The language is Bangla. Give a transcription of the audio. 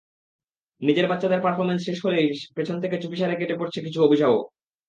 নিজের বাচ্চাদের পারফরমেন্স শেষ হলেই পেছন থেকে চুপিসারে কেটে পড়ছে কিছু অভিভাবক।